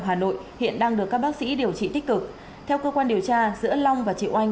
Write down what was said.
hà nội hiện đang được các bác sĩ điều trị tích cực theo cơ quan điều tra giữa long và triệu oanh